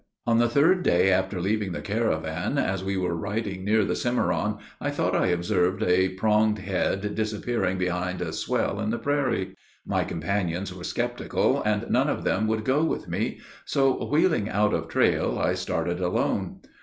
On the third day after leaving the caravan, as we were riding near the Cimmaron, I thought I observed a pronged head disappearing behind a swell in the prairie. My companions were skeptical, and none of them would go with me; so, wheeling out of trail, I started alone.